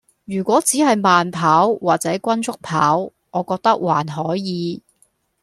如果只係慢跑或者均速跑，我覺得還可以